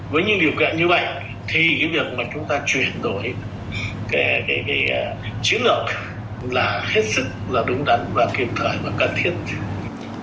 với những điều kiện như vậy thì cái việc mà chúng ta chuyển đổi cái chữ lợi là hết sức là đúng đắn và kiểm thoại và cần thiết